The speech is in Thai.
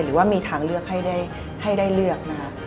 หรือว่ามีทางเลือกให้ได้เลือกนะคะ